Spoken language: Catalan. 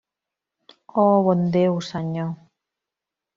Oh, bon Déu, senyor!